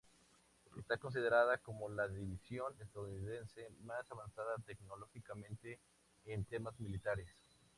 Está considerada como la división estadounidense más avanzada tecnológicamente en temas militares.